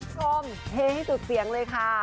คุณผู้ชมเทให้จุดเสียงเลยค่ะ